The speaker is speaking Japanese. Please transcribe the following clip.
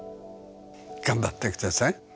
頑張ってください！